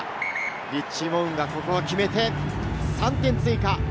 リッチー・モウンガ、ここは決めて３点追加。